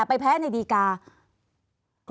ภารกิจสรรค์ภารกิจสรรค์